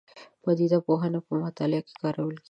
پدیده پوهنه په مطالعه کې کارول کېږي.